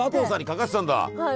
はい。